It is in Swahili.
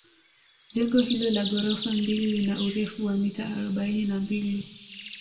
Jengo hili la ghorofa mbili lina urefu wa mita arobaini na mbili